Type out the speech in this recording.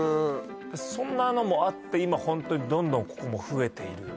そんなのもあって今ホントにどんどんここも増えている